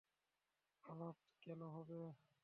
অনাথ কেন হবে!